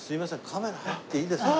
カメラ入っていいですか？